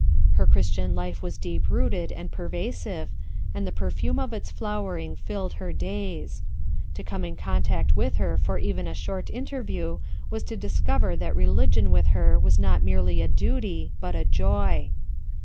Her Christian life was deep rooted and pervasive, and the perfume of its flowering filled her days. To come in contact with her for even a short inter IDEAL CONDITIONS 77 rj e w vtns to discover that religion with her was 0O t merely a duty, but a joy.